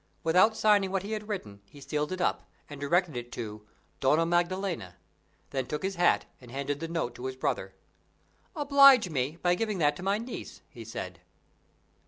Without signing what he had written, he sealed it up, and directed it to "Donna Maddalena"; then took his hat, and handed the note to his brother. "Oblige me by giving that to my niece," he said.